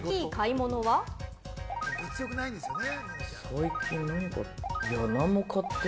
物欲ないんですよね。